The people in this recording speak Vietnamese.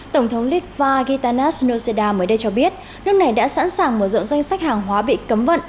tổng thống litva guitanas nocida mới đây cho biết nước này đã sẵn sàng mở rộng danh sách hàng hóa bị cấm vận